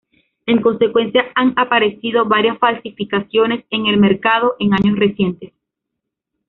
En consecuencia, han aparecido varias falsificaciones en el mercado, en años recientes.